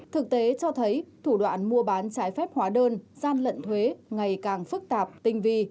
thực tế cho thấy thủ đoạn mua bán trái phép hóa đơn gian lận thuế ngày càng phức tạp tinh vi